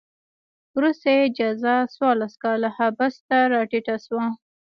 وروسته یې جزا څوارلس کاله حبس ته راټیټه شوه.